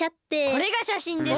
これがしゃしんです。